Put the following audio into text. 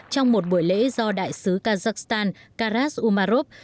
trong một buổi lễ do đại sứ kazakhstan karas umarov